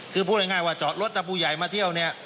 คือพูดง่ายว่าจอดรถถ้าผู้ใหญ่มาเที่ยวเนี่ย